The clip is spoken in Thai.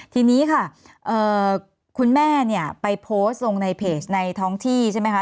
ทีนี้ค่ะคุณแม่เนี่ยไปโพสต์ลงในเพจในท้องที่ใช่ไหมคะ